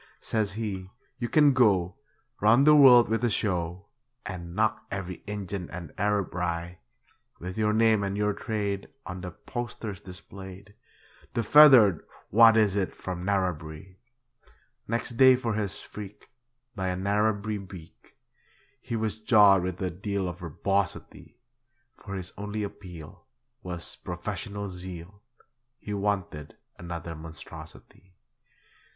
Says he, 'You can go Round the world with a show, And knock every Injun and Arab wry; With your name and your trade, On the posters displayed, The feathered what is it from Narrabri.' Next day for his freak, By a Narrabri beak, He was jawed with a deal of verbosity; For his only appeal Was 'professional zeal' He wanted another monstrosity.